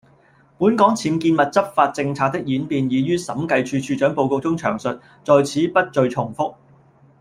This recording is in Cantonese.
本港僭建物執法政策的演變已於審計署署長報告中詳述，在此不贅重覆。